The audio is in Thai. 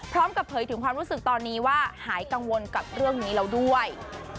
เผยถึงความรู้สึกตอนนี้ว่าหายกังวลกับเรื่องนี้แล้วด้วย